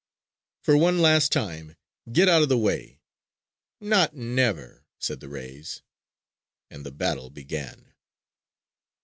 "For one last time, get out of the way!" "Not never!" said the rays. And the battle began.